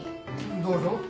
どうぞ。